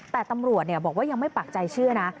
แต่ตำรวจบอกว่ายังไม่ปักใจเชื่อนะ